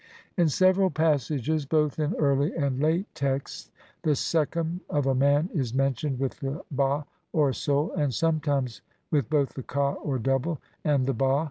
In several passages, both in early and late texts, the sekhem of a man is mentioned with the ba, or soul, and sometimes with both the ha, or double, and the ba.